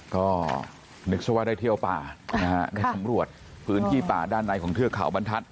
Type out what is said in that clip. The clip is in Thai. ก็นึกซะว่าได้เที่ยวป่านะฮะได้สำรวจพื้นที่ป่าด้านในของเทือกเขาบรรทัศน